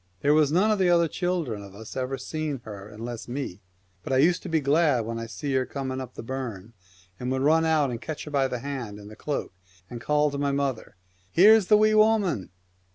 There was none of the other children of us ever seen her unless me ; but I used to be glad when I seen her coming up the burn, and would run out and catch her by the hand and the cloak, and call to my mother, " Here's the Wee Woman